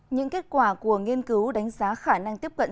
những kết quả của nghiên cứu đánh giá khả năng tiếp cận